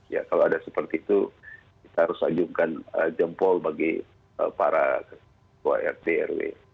ya kalau ada seperti itu kita harus ajukan jempol bagi para rprw